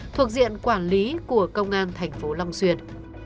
thuộc diện quản lý của công an thành phố long xuyên